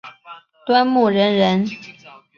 端木仁人。